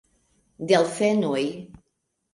Delfenoj!